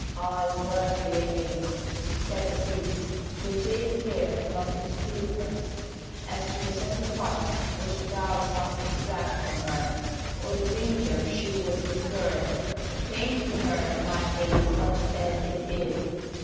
"I warn thee again," said the Beast, "to take care not to deceive her as to the sacrifice which thou must exact from her, or the danger she will incur. Paint to her my face such as it is.